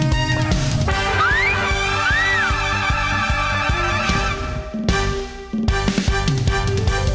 สวัสดีค่ะแอร์ฟันธิราค่ะ